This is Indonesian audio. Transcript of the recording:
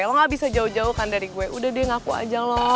lo gak bisa jauh jauhkan dari gue udah deh ngaku aja lo